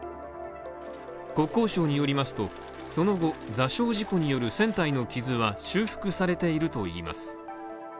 国交省によりますと、その後座礁事故による船体の傷は修復されているといいます。